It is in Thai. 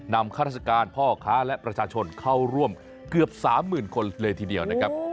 นำฆาตรรัชการพ่อค้าและประชาชนเข้าร่วมเกือบ๓หมื่นคนเลยทีเดียว